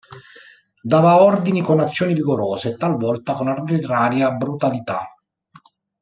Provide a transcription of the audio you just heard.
Dava ordini con azioni vigorose e talvolta con arbitraria brutalità.